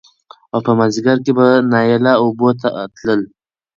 او په مازديګر کې به نايله اوبو ته تله